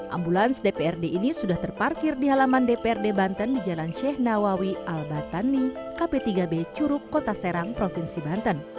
ambulans dprd ini sudah terparkir di halaman dprd banten di jalan sheikh nawawi al batani kp tiga b curug kota serang provinsi banten